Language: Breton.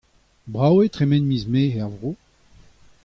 Brav e vo tremen miz Mae er vro.